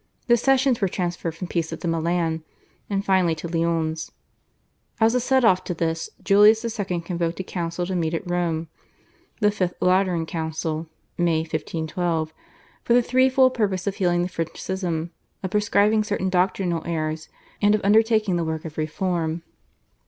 The sessions were transferred from Pisa to Milan, and finally to Lyons. As a set off to this Julius II. convoked a council to meet at Rome, the fifth Lateran Council (May 1512), for the threefold purpose of healing the French schism, of proscribing certain doctrinal errors, and of undertaking the work of reform.